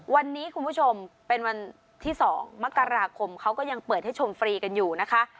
วันนี้คุณผู้ชมเป็นวันที่๒มกราคมเขาก็ยังเปิดให้ชมฟรีกันอยู่นะคะ